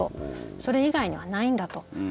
それ以外にはないんだと。